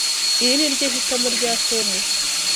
Iri ni ryo hitamo rya Tom.